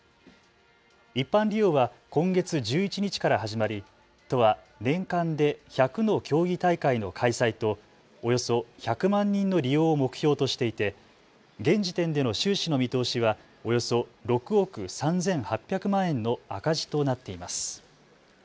一般利用は今月１１日から始まり都は年間で１００の競技大会の開催とおよそ１００万人の利用を目標としていて現時点での収支の見通しはおよそ６億３８００万円の赤字となっています。